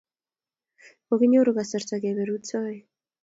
Kokinyoru kasarta kepe rutoi